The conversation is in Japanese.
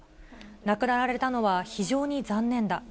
亡くなられたのは非常に残念だ。